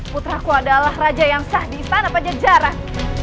putraku adalah raja yang sah di istana pajajaran